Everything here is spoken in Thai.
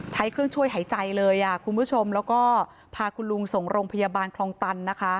ใช้เครื่องช่วยหายใจเลยคุณผู้ชมแล้วก็พาคุณลุงส่งโรงพยาบาลคลองตันนะคะ